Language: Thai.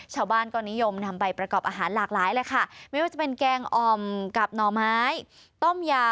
ชาวบ้านก็นิยมนำไปประกอบอาหารหลากหลายเลยค่ะไม่ว่าจะเป็นแกงอ่อมกับหน่อไม้ต้มยา